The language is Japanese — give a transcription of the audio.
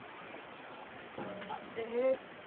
あええっと。